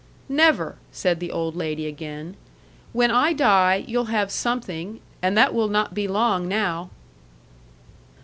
"Never!" said the old lady again. "When I die, you'll have something and that will not be long now."